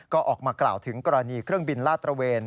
ก็ออกมากล่าวถึงกรณีเครื่องบินลาดตระเวน